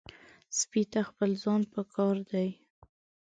سپي ته خپل ځای پکار دی.